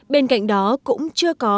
bên cạnh đó cũng chưa có